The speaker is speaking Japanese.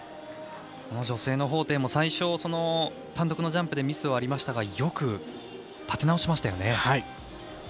女性の彭程も単独のジャンプでミスはありましたがよく立て直しましたよね。